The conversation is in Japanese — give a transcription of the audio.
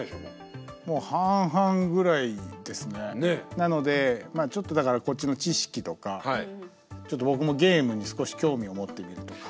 なのでちょっとだからこっちの知識とかちょっと僕もゲームに少し興味を持ってみるとか。